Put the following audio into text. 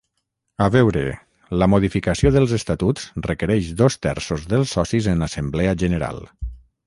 A veure, la modificació dels estatuts requereix dos terços dels socis en assemblea general.